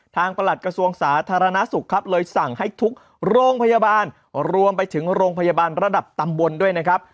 ประหลัดกระทรวงสาธารณสุขครับเลยสั่งให้ทุกโรงพยาบาลรวมไปถึงโรงพยาบาลระดับตำบลด้วยนะครับ